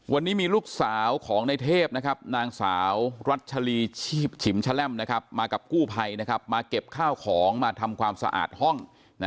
วันนี้มีลูกสาวของในเทพนางสาวรัชลีฉิมแชล่มมากับกู้ภัยมาเก็บข้าวของมาทำความสะอาดห้อง